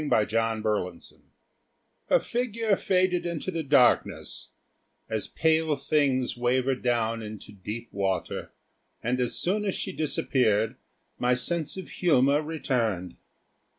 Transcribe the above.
CHAPTER TWO Her figure faded into the darkness, as pale things waver down into deep water, and as soon as she disappeared my sense of humour returned.